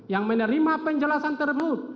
yang menerima penjelasan tersebut